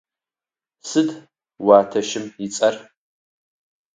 Сыд уятэщым ыцӏэр?